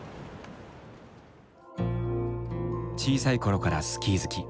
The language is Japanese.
小さい頃からスキー好き。